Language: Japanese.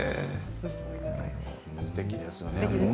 すてきですね。